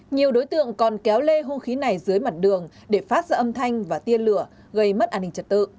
nhiều đối tượng còn kéo lê hung khí này dưới mặt đường để phát ra âm thanh và tiên lửa gây mất an ninh trật tự